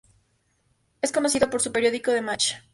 Es conocido por su periódico "The Match!